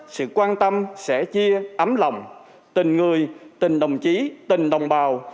sự quan tâm sẻ chia ấm lòng tình người tình đồng chí tình đồng bào